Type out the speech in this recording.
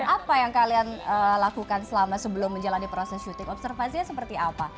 apa yang kalian lakukan selama sebelum menjalani proses syuting observasinya seperti apa